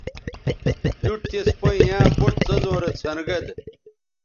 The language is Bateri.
نُٹ تِس پیئں ییاں بُٹ څیزوں رے څھنر گید